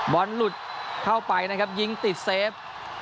บอลหลุดเข้าไปนะครับยิงติดเซฟ